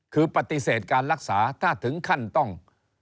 คือปฏิเสธการรักษาถ้าถึงขั้นต้อง